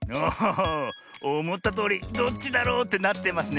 おおっおもったとおりどっちだろうってなってますね。